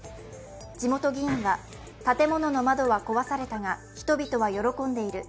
地元議員は、建物の窓は壊されたが人々は喜んでいる。